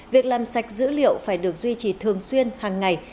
việc làm sạch dữ liệu phải được duy trì thường xuyên hàng ngày